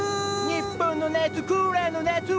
日本の夏クーラーの夏！